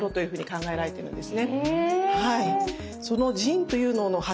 ⁉考えられてるんです。